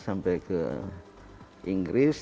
sampai ke inggris